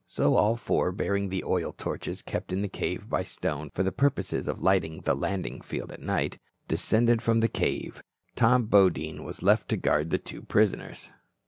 So all four, bearing the oil torches kept in the cave by Stone for the purpose of lighting the landing field at night, descended from the cave. Tom Bodine was left to guard the two prisoners.